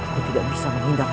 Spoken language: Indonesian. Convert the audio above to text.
aku tidak bisa menghindar